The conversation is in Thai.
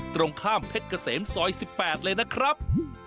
ตรงข้ามเพชรเกษมซอย๑๘เลยนะครับ